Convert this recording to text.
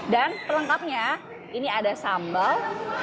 dan perlengkapnya ini ada sambal